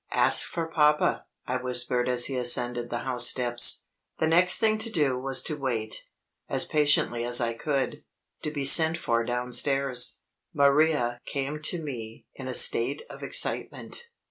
"Ask for papa," I whispered as he ascended the house steps. The next thing to do was to wait, as patiently as I could, to be sent for downstairs. Maria came to me in a state of excitement.